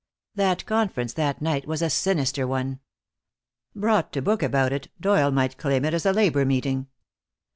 That conference that night was a sinister one. Brought to book about it, Doyle might claim it as a labor meeting.